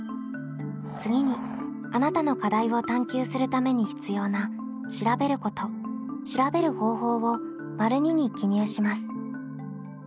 次にあなたの課題を探究するために必要な「調べること」「調べる方法」を②に記入します。